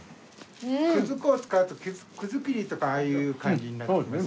くず粉を使うとくずきりとかああいう感じになります。